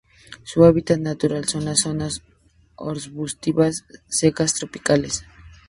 Su hábitat natural son las zonas arbustivas secas tropicales.